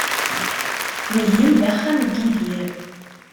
Wihin d axxam n Yidir.